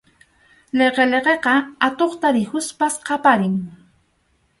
Liqiliqiqa atuqta rikuspas qaparin.